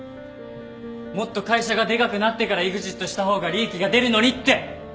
もっと会社がでかくなってからイグジットした方が利益が出るのにって！